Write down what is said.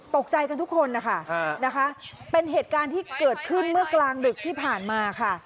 ตกใจกันทุกคนนะคะเป็นเหตุการณ์ที่เกิดขึ้นเมื่อกลางดึกที่ผ่านมาค่ะ